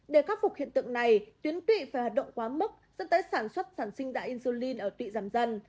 để khắc phục hiện tượng này tuyến tụy phải hoạt động quá mức dẫn tới sản xuất sản sinh ra insulin ở tụy giảm dần